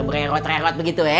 bererot rerot begitu ya